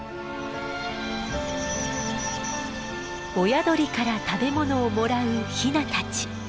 親鳥から食べ物をもらうヒナたち。